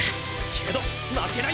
けど負けないよ。